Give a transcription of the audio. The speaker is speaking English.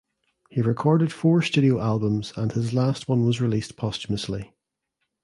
He recorded four studio albums and his last one was released posthumously.